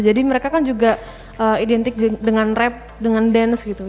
jadi mereka kan juga identik dengan rap dengan dance gitu